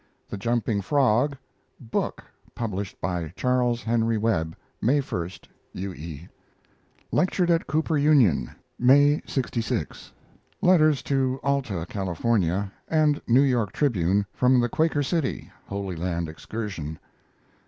THE JUMPING FROG book, published by Charles Henry Webb, May 1. U. E. Lectured at Cooper Union, May, '66. Letters to Alta California and New York Tribune from the Quaker City Holy Land excursion.